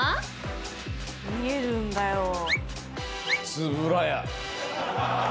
つぶらや。